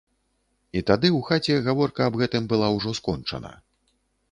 І тады ў хаце гаворка аб гэтым была ўжо скончана.